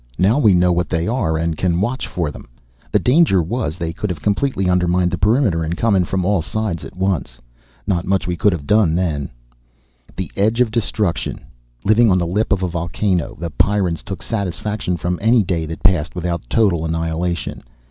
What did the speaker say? "Now we know what they are we can watch for them. The danger was they could have completely undermined the perimeter and come in from all sides at once. Not much we could have done then." The edge of destruction. Living on the lip of a volcano. The Pyrrans took satisfaction from any day that passed without total annihilation.